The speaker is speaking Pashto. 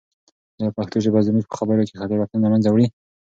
آیا پښتو ژبه زموږ په خبرو کې تېروتنې له منځه وړي؟